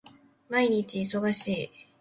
毎日忙しい